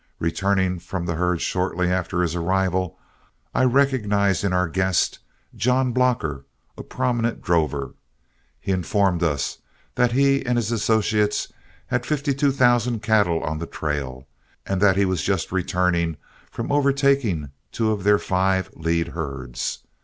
Returning from the herd shortly after his arrival, I recognized in our guest John Blocker, a prominent drover. He informed us that he and his associates had fifty two thousand cattle on the trail, and that he was just returning from overtaking two of their five lead herds.